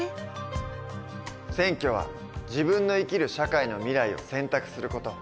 選挙は自分の生きる社会の未来を選択する事。